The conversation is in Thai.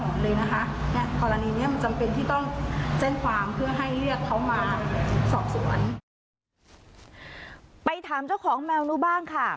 กรณีเนี้ยมันจำเป็นที่ต้องแจ้งความเพื่อให้เรียกเขามาสอบสวนไปถามเจ้าของแมวรู้บ้างค่ะ